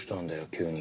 急に。